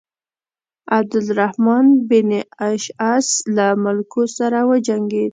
عبدالرحمن بن اشعث له ملوکو سره وجنګېد.